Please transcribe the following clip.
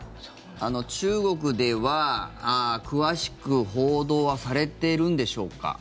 中国では、詳しく報道はされているんでしょうか。